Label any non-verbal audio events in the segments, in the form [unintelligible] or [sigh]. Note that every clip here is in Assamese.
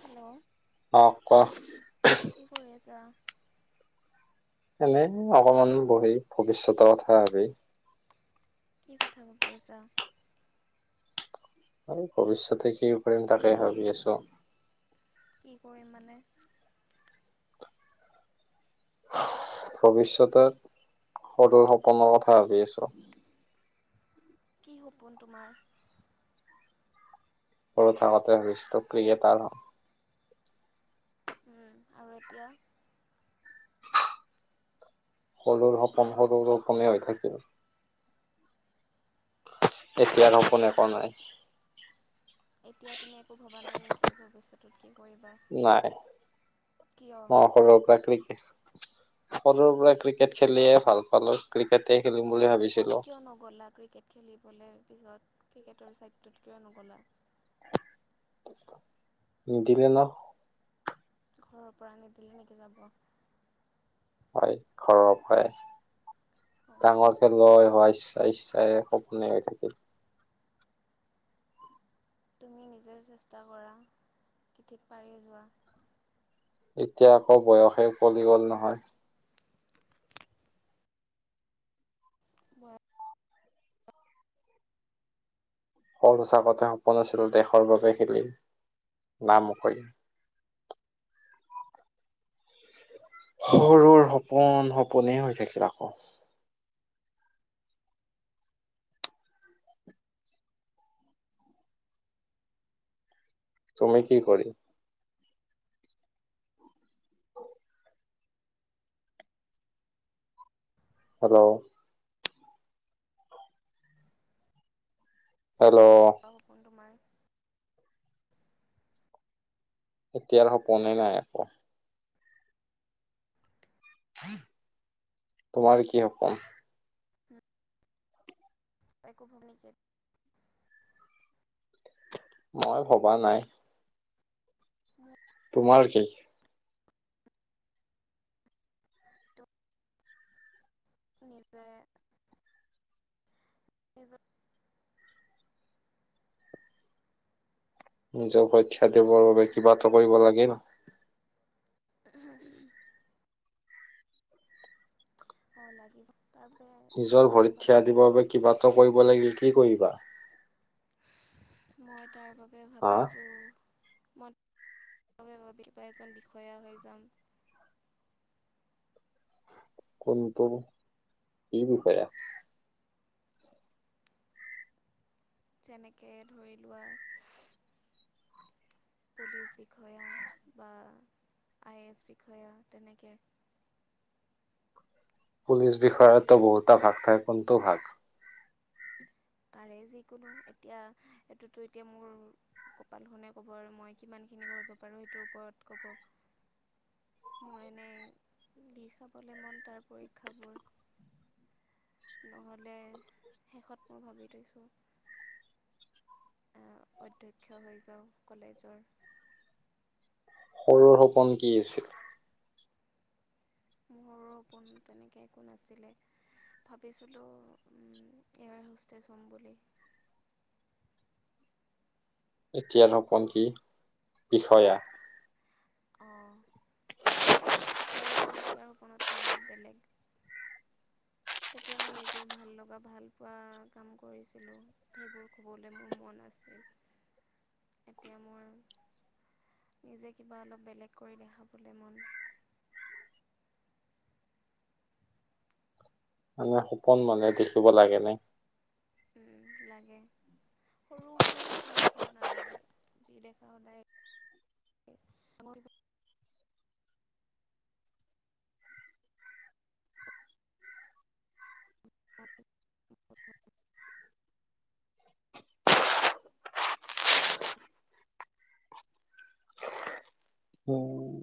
হেল্ল' অ ক কি কৰি আছা। এনে অকমান বহি ভৱিষ্যতৰ কথা ভাবি, কি কথা ভবি আছা। ম ভৱিষ্যতে কি কৰিম তাকে ভাবি আছো। কি কৰিম মানে, ভৱিষ্যতে সৰুৰ সপোনৰ কথা ভাবি আছো। কি সপোন তোমাৰ? পৰু থাকতে ভছিত ক্ৰিকেটাৰ হ [unintelligible] আৰু এতিয়া, সৰু সপোন সৰু সপমেই হৈ থাকিল [unintelligible] এয়াম কনে ক নাই [unintelligible] এতিয়া তুমি একো ভবা নাই নেকি ভৱিষ্যতত কি কৰিবা নাই কিয় ম সৰুৰ পৰা কৃতি, সৰুৰে পৰা ক্ৰিকেট খেলিয়ে ভাল পালো ক্ৰিকেটে খেলিম বুলি ভাবিছো। কিয় নগ'লা ক্ৰিকেট খেলিবলে, তাৰপিছত ক্ৰিকেটৰ ছাইডটোত কিয়া নগ'লা। নদিলে ন ঘৰৰ পৰা নিদিলে নেকি যাব। হয় খৰপ হয় [unintelligible] অঁ ডাঙৰ খেল গৈ হোৱাইছ, ইচ্ছা ইচ্ছাই সপোনে হৈ থাকিল তুমি নিজেও চেষ্টা কৰা কি থিক পাইযে যোৱা [unintelligible] এতিয়া আকৌ বয়সে উকলি গ'ল নহয় বাৰ স সঁচাকতে সপোন আছিল দেশৰ বাবে খেলি নাম কৰি সৰুৰ সপোন সপোনে হৈ থাকিল আকৌ তুমি কি কৰি হেল্ল' হেল্ল' বহু কন্ধুমান [unintelligible] এতিয়াৰ সপোনে নাই আকৌ তোমাৰ কি সপোন একো ভূমিকে মই ভবা নাই মোৰ তোমাৰ কি? সতে নিজৰ নিজৰ [unintelligible] খৰ বাবে তুমি কিবাটো কোৱা কৰিব লাগে ন। [unintelligible] অ লাগিব। তাৰ বাবে কিমান নিজৰ বস্তু ভৰিত ভাবি থিয়া থৈছোঁ দিবৰ বাবে কিবা এটা কৰিব লাগিল কি কৰিবা? [unintelligible] মই তাৰ বাবে হা ভাবিছো, মই কিবা এজন বিষয়া হৈ যাম। কোনটো কি বিষয়? যেনেকে ধৰি লোৱা পুলিচ বিষয়া বা আই এছ বিষয়া তেনেকৈ পুলিচ বিষয়াতো বহুতা ভাগ থাক, কোনটো ভাগ? যিকোনো এতিয়া এইটোতো এতিয়া মোৰ কপালখনে কব আৰু মই কিমানখিনি কৰিব পাৰো সেইটোৰ ওপৰত কব, মোৰ এনে দি চাবলে মন তাৰ পৰীক্ষাবোৰ, নহলে শেষত মই ভাবি থৈছোঁ। অ অধ্যক্ষ হৈ যাওঁ কলেজৰ। সৰুৰ সপোন কি আছিল? সৰুৰ সপোন তেনেকৈ একো নাছিলে ভাবিছিলোঁ এয়াৰ হোষ্টেজ হ'ম বুলি এতিয়াৰ সপোন কি বিষয়া অঁ এতিয়াৰ সপোন তেতিয়াৰ সপোনতকৈ বহুত বেলেগ। তেতিয়া মই নিজে ভাল লগা ভাল পোৱা কাম কৰিছিলোঁ সেইবোৰ ক'বলৈ মোৰ মন আছিল এতিয়া মোৰ নিজে কিবা অলপ বেলেগ কৰি দেখাবলৈ মন। মানে সপোন মানে দেখিব লাগেনে? উম লাগে সৰু সৰু সপোন দেখিব নালাগে যি দেখা সদায়। উ, উম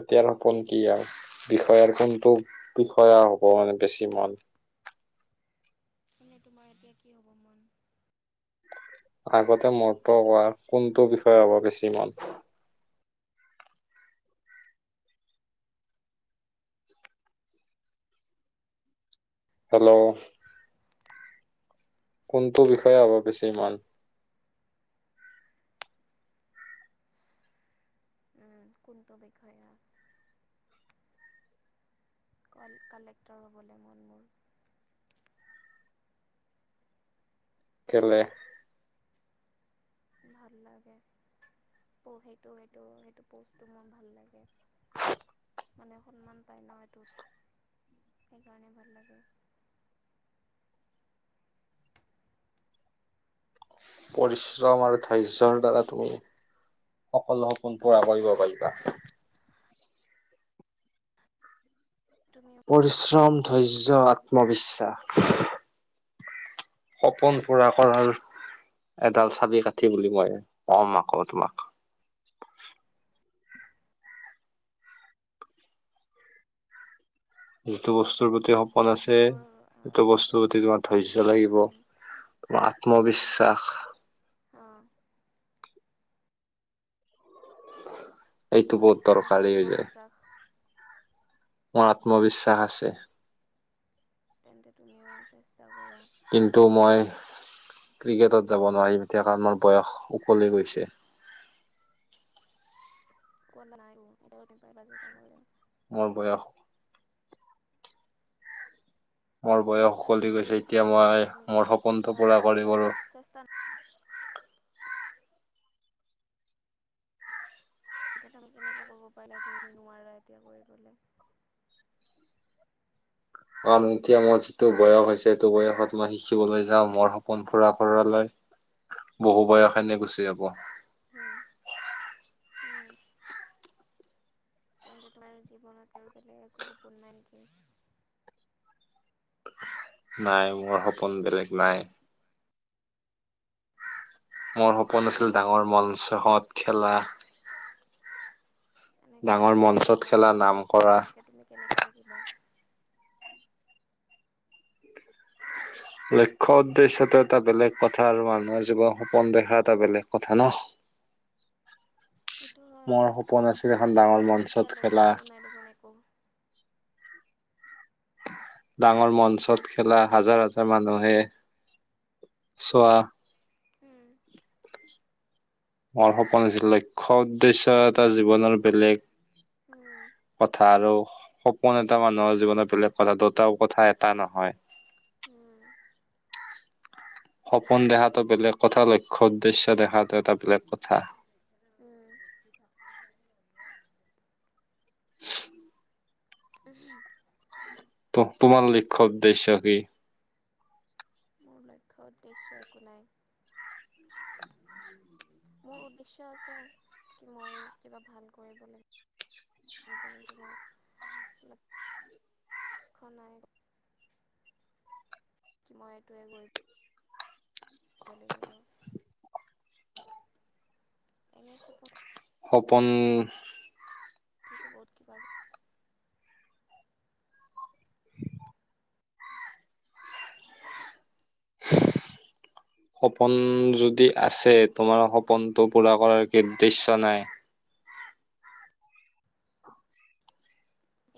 এতিয়াৰ সপোন কি আৰু বিষয়াৰ কোনটো বিষয়া হ'ব মানে বেছি মন। চনে তোমাৰ এতিয়া কি হ'ব মন। আগতে মোৰটো কোৱাৰ কোনটো বিষয়ে হব বেছি মন। হেল্ল' কোনটো বিষয়ে হব বেছি ইমান। খোনটো বিখ্যাত কালেক্টৰ হ'বলৈ মন মোৰ কেলে? ভাল লাগে সেইটো সেইটো সেইটো প'ষ্টটো মোৰ ভাল লাগে? মানে সন্মান পায় ন এইটোত সেইকাৰণে ভাল লাগে। [unintelligible] পৰিশ্ৰম তুমি আৰু ধৈৰ্যৰ দ্বাৰা ত সকলো সপোন পূৰা কৰিব পাৰিবা, তুমি পৰিশ্ৰম ধৈৰ্যত। আত্মবিশ্বাস সপোন পুৰা কৰাৰ এডাল চাবি কাঠি বুলি মই কম আকৌ তোমাক। যিটো বস্তুৰ প্ৰতি স পোন আছে মোৰ সেইটো ধৈৰ্য বস্তুৰ আছে প্ৰতি মই তোমাৰ ধৰ্য্য পৰিশ্ৰম লাগিব কৰিম তোমাৰ আত্মবিশ্বাস। [unintelligible] এইটো তোমাৰ বহুত আছেনে দৰকাৰী হৈ যায়। আত্মবিশ্বাস মোৰ আত্মবিশ্বাস আছে। তেন্তে তুমিও চেষ্টা কৰা। কিন্তু মই ক্ৰিকেটত যাব নোৱাৰিম এতিয়া কাৰণ মোৰ বয়স উকলি গৈছে। কা নাই এতিয়াম বাজ এটা কৰিলে [unintelligible] অ, বয়স মোৰ বয়স চেষ্টা উকলি এটা গৈছে কৰি চাব এতিয়া পাৰা মই তুমি মোৰ সপোনটো কাৰণ পূৰা চেষ্টা কৰিব। চেষ্টা তেনে কেনেকৈ ক'ব পাৰিলা কিখিনি নোৱাৰা এতিয়া কৰিবলে। কাৰণ এতিয়া মোৰ যিটো বয়স হৈছে সেইটো বয়সত মই শিকিবলে যাওঁ মোৰ সপোন পোৰা কৰালে বহু বয়স এনে গুচি যাব। অহ, উম, তেন্তে তোমাৰ জীৱনত আৰু বেলেগ একো সপোন নাই নেকি? নাই মোৰ সপোন বেলেগ নাই। মোৰ সপোন আছিল ডাঙৰ লক্ষ্য মঞ্চহঁত খেলা। এনেকে ডাঙৰ লক্ষ্য মঞ্চত খেলা নোৱাকে নাম উদ্দেশ্য কৰা নোহোৱাকে তুমি কেনেকে থাক সেইবাৰ লক্ষ্য় উদ্দেশ্যটো এটা বেলেগ কথা আৰু মানুহৰ জীৱন সপোন দেখা এটা বেলেগ কথা ন সেইটো হয় মোৰ সপোন আছিল কিন্তু এখন ডাঙৰ তোমাৰচোন মঞ্চত এতিয়া খেলা। লক্ষ্যও নাই দেখোন একো ডাঙৰ মঞ্চত খেলা হাজাৰ হাজাৰ মানুহে চোৱা। উম মোৰ সপোন আছিল লক্ষ্য উদ্দেশ্যয় এটা জীৱনৰ বেলেগ উম কথা আৰু সপোন এটা মানুহৰ জীৱনত বেলেগ কথা দুটা কথা এটা নহয়। উম সপোন দেখাটো বেলেগ কথা লক্ষ্য উদ্দেশ্য দেখাটো এটা বেলেগ কথা। উম উ তোমাৰ লক্ষ্য উদ্দেশ্য কি? মোৰ লক্ষ্য উদ্দেশ্য একো নাই মোৰ উদ্দেশ্য আছে কি মই কিবা ভাল কৰিব লাগিব কিন্তু মোৰ নাই কি মই এইটোৱে কৰিম দিব লাগিব। এনে সপোন সপোন [unintelligible] সপোন যদি আছে তোমাৰ সপোনটো পুৰা কৰাৰ কিদ্দৃেশ্য নাই।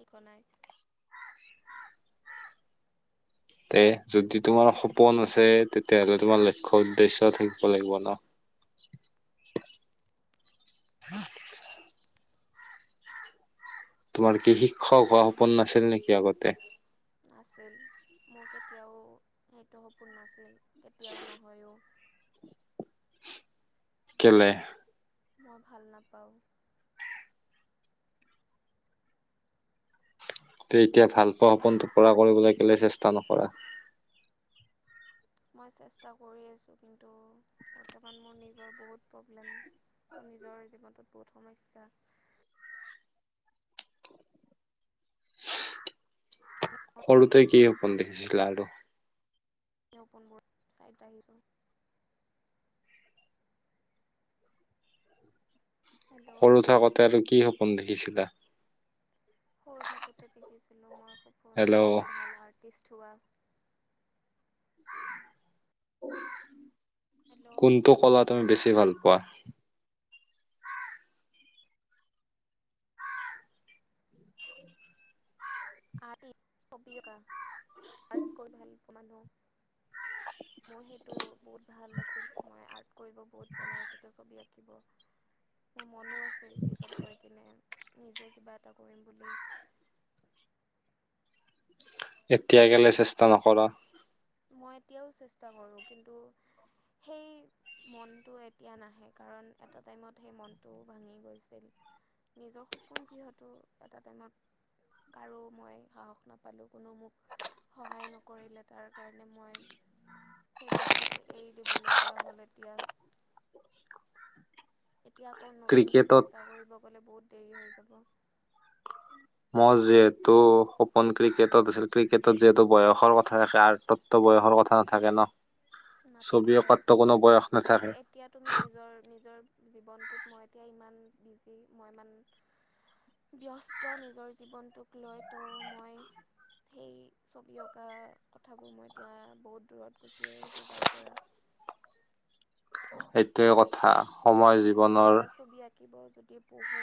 একো নাই। তে যদি তোমাৰ সপোন আছে তেতিয়াাহলে তোমাৰ লক্ষ্য় উদ্দেশ্য থাকিব লাগিব ন। তোমাৰ কি শিক্ষক হোৱা সপোন নাছিল নেকি আগতে? আছিল মোৰ কেতিয়াও সেইটো সপোন নাছিল। কেতিয়াও নহয়ো। কেলে? মই ভাল নাপাওঁ। ত এতিয়া ভালপোৱা সপোনটো পৰা কৰিবলৈ কেলে চেষ্টা নকৰা। মই চেষ্টা কৰি আছোঁ কিন্তু বৰ্তমান মোৰ নিজৰ বহুত প্ৰব্লেম মোৰ নিজৰ জীৱনটোত বহুত সমস্যা। সৰুতে কি সপোন দেখিছিলে আৰু? পোনবোৰ চাইড ৰা আহিছো। হেল্ল' সৰু থাকোঁতে আৰু কি হব দেখিছিলা? সৰু থাকোতে দেখিছিলো মই সপোন হেল্ল' এজন ভাল আৰ্টিষ্ট হোৱা। [inaudible] হেল্ল' কোনটো কলা তুমি বেছি ভাল পোৱা? [unintelligible] আইতকৈ ভাল অকমান মোৰ সেইটো বহুত ভাল আছিল মই আৰ্ট কৰিব বহুত জনা আছিলো ছবি আঁকিব মোৰ মনো আ আছিল পিছত গৈ কিনে। নিজে কিবা এটা কৰিম বুলি। এতিয়া কেলে চেষ্টা নকৰা। মই এতিয়াও চেষ্টা কৰোঁ কিন্তু সেই মনটো এতিয়া নাহে কাৰণ এটা টাইমত সেই মনটোও ভাঙি গৈছিল নিজৰ সপোন যিহেতু এটা টাইমত কাৰো মই সাহস নাপালোঁ কোনো মোক সহায় নকৰিলে তাৰ কাৰণে মই সেই বস্তুটো এৰি দিবলগীয়া হ'ল এতিয়া। এতিয়া আকৌ নতুনকৈ ক্ৰিকেটত চেষ্টা কৰিব গ'লে বহুত দেৰি হৈ যাব। মই যিহেতু সপোন ক্ৰিকেটত আছিল, ক্ৰিকেটত যিহেতু বয়সৰ কথা থাকে আৰ্টতো বয়সৰ কথা নাথাকে ন। ছবি নাথাকে অঁকাততো কোনো বয়স কিন্তু নাথাকে এতিয়া তুমি নিজৰ নিজৰ জীৱনটোত মই এতিয়া ইমান বিজি মই ইমান ব্যস্ত নিজৰ জীৱনটোক লৈ তো মই সেই ছবি অঁকা কথাবোৰ মই এতিয়া বহুত দূৰত গুচি আহিছোঁ। তাৰ পৰা। সেইটোৱে কথা। সময় জীৱনৰ থাকিব যদি পঢহো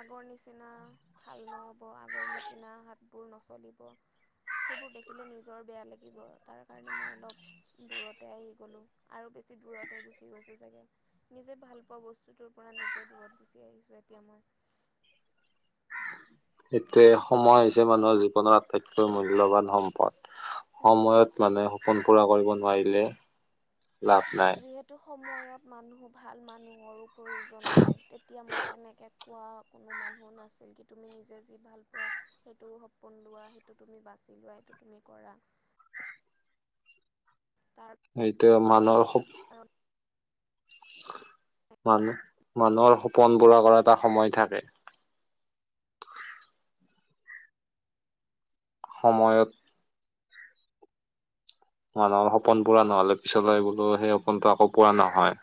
আগৰ নিচিনা ভাল নহ'ব আগৰ নিচিনা হাতবোৰ নচলিব সেইবোৰ দেখিলে নিজৰ বেয়া লাগিব তাৰ কাৰণে মই অলপ দূৰতে আহি গ'লোঁ আৰু বেছি দূৰতে গুচি গৈছোঁ চাগে। নিজে ভাল পোৱা বস্তুটোৰ পৰা নিজে দূৰত গুচি আহিছো এতিয়া মই। সেইটোয়ে সময় হৈছে মানুহৰ জীৱনৰ আটাইতকৈ মূল্যৱান সম্পদ। মই। সময়ত মানে সপোন পুৰা কৰিব নোৱাৰিলে লাভ নাই যিহেতু সময়ত মানুহ ভাল মানুহৰো প্ৰয়োজন হয় তেতিয়া মোক। তেনেকে কোৱা কোনো মানুহ নাছিল কি তুমি নিজে যি ভাল পোৱা সেইটো সপোন লোৱা সেইটো তুমি বাচি লোৱা সেইটো তুমি কৰা। তাৰ সেইটো মানুহৰ কাৰণে মানুহৰ সপোন পোৰা কৰা এটা সময় থাকে। সময়ত। মানুহৰ সপোন পুৰা নহ'লে পিছলৈ বোলো সেই সপোনটো আকৌ পুৰা নহয়।